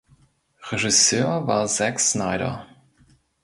Regisseur war Zack Snyder.